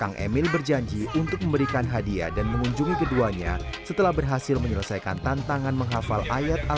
kang emil berjanji untuk memberikan hadiah dan mengunjungi keduanya setelah berhasil menyelesaikan tantangan menghafal ayat al